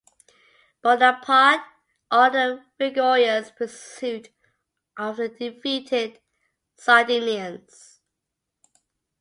Bonaparte ordered a vigorous pursuit of the defeated Sardinians.